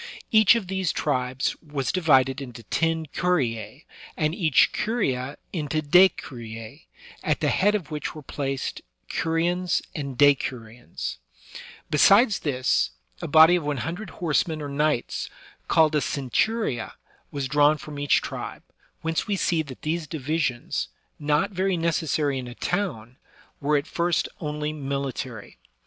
Each of these tribes was subdivided into ten curia^ and each curia into decuricB^ at the head of which were placed curiones and decuriones, / Besides this, a body of one hundred horsemen or knights, called a centuria^ was drawn from each tribe, whence we see that these divisions, not very necessary in a town, were at first only military.